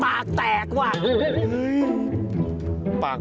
หรือใครกำลังร้อนเงิน